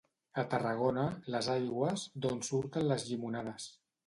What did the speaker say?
A Tarragona, les aigües, d'on surten les llimonades.